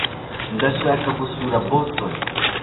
ndashaka gusura boston